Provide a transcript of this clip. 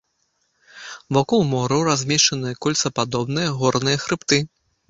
Вакол мораў размешчаны кольцападобныя горныя хрыбты.